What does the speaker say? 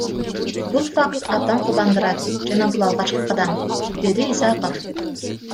Бул факт абдан кубандырат жана бул алгачкы кадам, — деди Исаков.